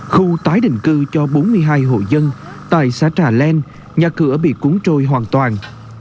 khu tái định cư cho bốn mươi hai hộ dân tại xã trà len nhà cửa bị cuốn trôi hoàn toàn